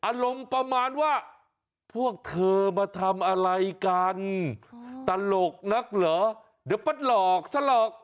อารมณ์ประมาณว่าพวกเธอมาทำอะไรกันตลกนักเหรอเดี๋ยวปั้นหลอกซะหลอก